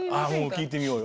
聴いてみようよ。